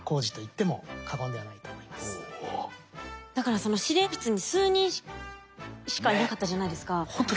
だからその司令室に数人しかいなかったじゃないですか。